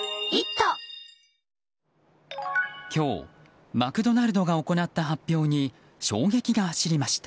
今日、マクドナルドが行った発表に衝撃が走りました。